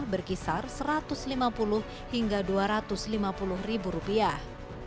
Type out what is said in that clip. berkisar satu ratus lima puluh hingga dua ratus lima puluh ribu rupiah